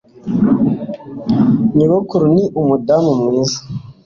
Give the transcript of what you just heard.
Nyogokuru ni umudamu mwiza.